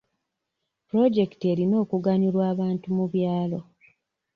Pulojekiti erina okuganyula abantu mu byalo.